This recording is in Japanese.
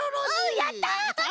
やった！